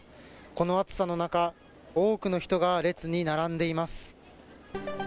この暑さの中多くの人が列に並んでいます。